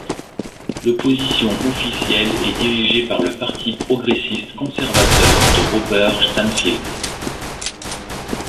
L'opposition officielle est dirigée par le Parti progressiste-conservateur de Robert Stanfield.